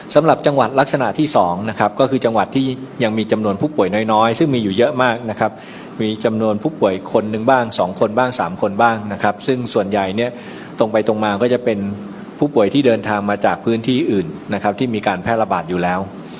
สำหรับจังหวัดลักษณะที่๒นะครับก็คือจังหวัดที่ยังมีจำนวนผู้ป่วยน้อยซึ่งมีอยู่เยอะมากนะครับมีจำนวนผู้ป่วยคนหนึ่งบ้าง๒คนบ้าง๓คนบ้างนะครับซึ่งส่วนใหญ่เนี่ยตรงไปตรงมาก็จะเป็นผู้ป่วยที่เดินทางมาจากพื้นที่อื่นนะครับที่มีการแพร่ระบาดอยู่แล้ว